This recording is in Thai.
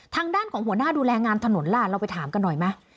ทางด้านของหัวหน้าดูแลงานถนนล่ะเราไปถามกันหน่อยไหม